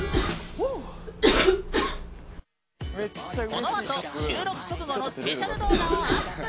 このあと収録直後のスペシャル動画をアップ！